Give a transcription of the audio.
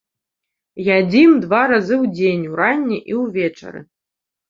Ядзім два разы ў дзень, уранні і ўвечары.